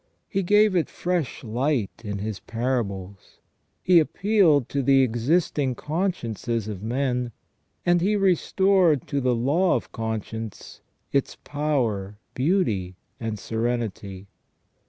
He gave it fresh light in His parables. He appealed to the existing consciences of men ; and He restored to the law of conscience its power, beauty, and serenity.